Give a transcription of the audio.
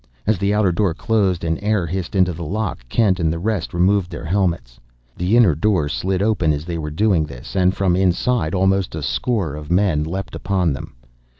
As the outer door closed and air hissed into the lock, Kent and the rest removed their helmets. The inner door slid open as they were doing this, and from inside almost a score of men leapt upon them!